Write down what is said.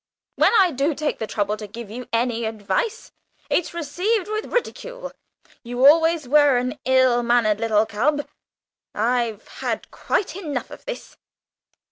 When I do take the trouble to give you any advice, it's received with ridicule. You always were an ill mannered little cub. I've had quite enough of this.